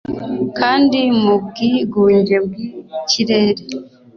kandi, mu bwigunge bw'ikirere